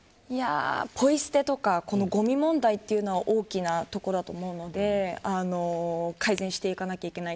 ぽい捨てとかごみ問題というのは大きなところだと思うので改善していかないといけない。